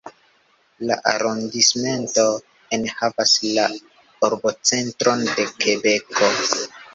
La arondismento enhavas la urbocentron de Kebeko.